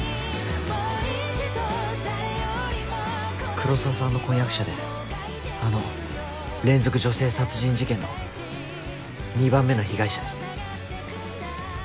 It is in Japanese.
黒澤さんの婚約者であの連続女性殺人事件の２番目の被害者です。